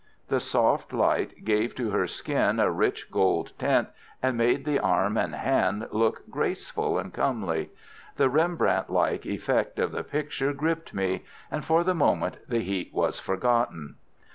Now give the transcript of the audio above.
The soft light gave to her skin a rich gold tint, and made the arm and hand look graceful and comely. The Rembrandt like effect of the picture gripped me, and for the moment the heat was forgotten.